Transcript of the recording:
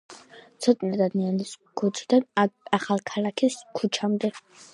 ცოტნე დადიანის ქუჩიდან ახალქალაქის ქუჩამდე.